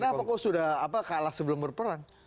kenapa kok sudah kalah sebelum berperang